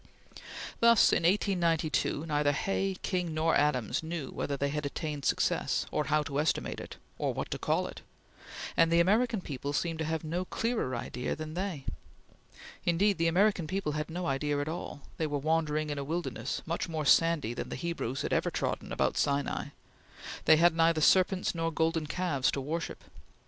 Thus, in 1892, neither Hay, King, nor Adams knew whether they had attained success, or how to estimate it, or what to call it; and the American people seemed to have no clearer idea than they. Indeed, the American people had no idea at all; they were wandering in a wilderness much more sandy than the Hebrews had ever trodden about Sinai; they had neither serpents nor golden calves to worship.